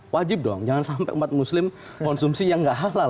wajib dong jangan sampai umat muslim konsumsi yang gak halal